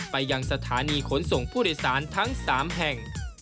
ไปยังสถานีขนส่งผู้โดยสารทั้ง๓แห่ง